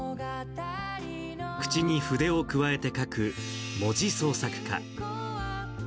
口に筆をくわえて書く、文字創作家。